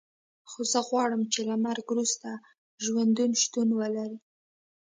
خو زه غواړم چې له مرګ وروسته ژوند شتون ولري